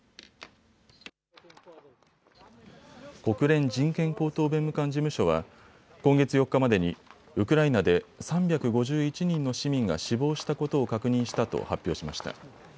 国連人権高等弁務官事務所は今月４日までにウクライナで３５１人の市民が死亡したことを確認したと発表しました。